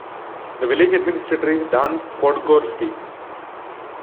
The Village administrator is Dan Podgorski.